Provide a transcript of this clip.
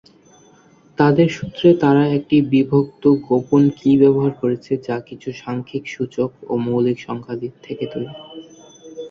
তাদের সূত্রে তারা একটি বিভক্ত-গোপন-কি ব্যবহার করেছে যা কিছু সাংখ্যিক সূচক ও মৌলিক সংখ্যা থেকে তৈরি।